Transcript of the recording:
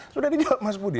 sudah di mas budi